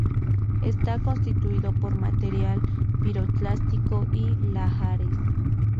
Está constituido por material piroclástico y lahares.